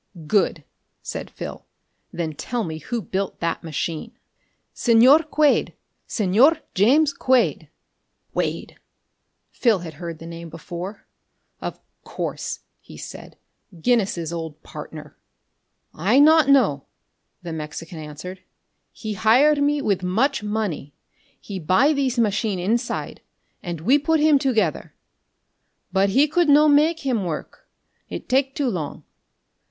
"Good," said Phil. "Then tell me who built that machine?" "Señor Quade. Señor James Quade." "Quade!" Phil had heard the name before. "Of course!" he said. "Guinness's old partner!" "I not know," the Mexican answered. "He hire me with much money. He buy thees machine inside, and we put him together. But he could no make him work it take too long.